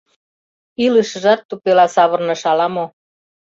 Илышыжат тупела савырныш ала-мо.